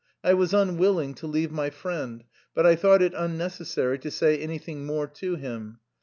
I was unwilling to leave my friend, but I thought it unnecessary to say anything more to him.